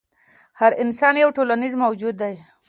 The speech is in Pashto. هر انسان یو ټولنیز موجود دی.